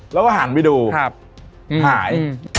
แล้วก็หันไปดูหาย